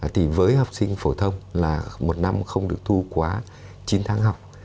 thì với học sinh phổ thông là một năm không được thu quá chín tháng học